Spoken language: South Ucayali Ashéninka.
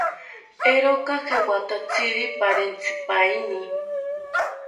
¿Eeroka jewatatziri perentzipaeni?